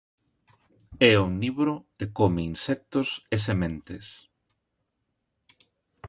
É omnívoro e come insectos e sementes.